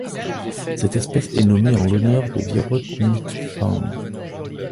Cette espèce est nommée en l'honneur de Wirot Nutphand.